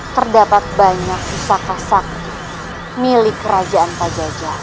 terdapat banyak pusaka sakti milik kerajaan pajajar